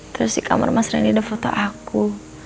terus di kamar mas randy ada foto aku